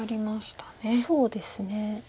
そうですね。